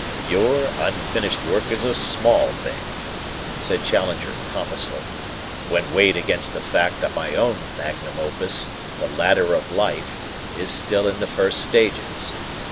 "Your unfinished work is a small thing," said Challenger pompously, "when weighed against the fact that my own magnum opus, 'The Ladder of Life,' is still in the first stages.